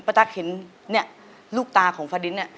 ปะตักเห็นเนี่ยลูกตาของฟาดินเนี่ย